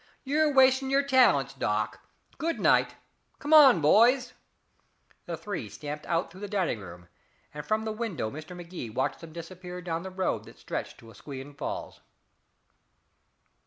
You're wasting your talents, Doc. Good night! Come on, boys." The three stamped out through the dining room, and from the window Mr. Magee watched them disappear down the road that stretched to Asquewan Falls.